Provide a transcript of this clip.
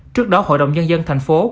trước đó hội đồng nhân dân thành phố